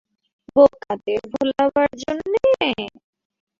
বোকাদের ভোলাবার জন্যে?